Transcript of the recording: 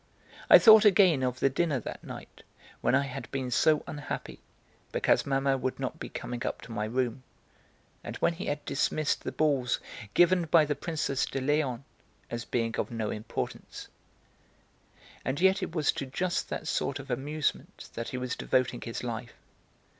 I thought again of the dinner that night, when I had been so unhappy because Mamma would not be coming up to my room, and when he had dismissed the balls given by the Princesse de Léon as being of no importance. And yet it was to just that sort of amusement that he was devoting his life.